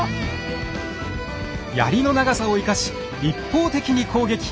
槍の長さを生かし一方的に攻撃。